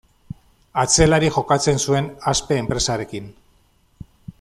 Atzelari jokatzen zuen, Aspe enpresarekin.